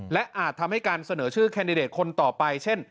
และอาจทำให้การเสนอชื่อแคนดิเดตคนต่อไปเช่น